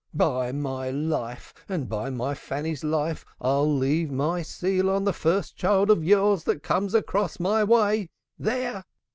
"By my life, and by my Fanny's life, I'll leave my seal on the first child of yours that comes across my way! There!"